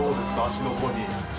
足のほうに。